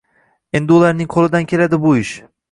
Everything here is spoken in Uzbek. — endi ularning qo‘lidan keladi bu ish.